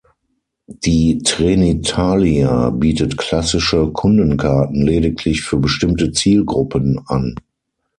Die Trenitalia bietet klassische Kundenkarten lediglich für bestimmte Zielgruppen an.